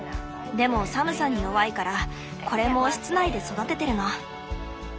でも寒さに弱いからこれも室内で育ててるの。